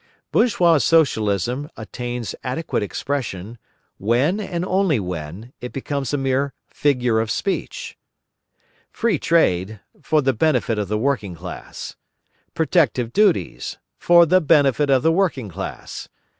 Bourgeois Socialism attains adequate expression, when, and only when, it becomes a mere figure of speech. Free trade: for the benefit of the working class. Protective duties: for the benefit of the working class.